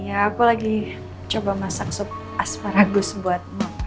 iya aku lagi coba masak sup asparagus buat papa